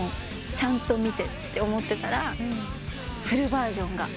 「ちゃんと見て」って思ってたらフルバージョンがアップされまして。